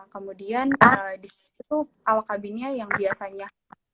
kemudian di situ awak kabinnya yang biasanya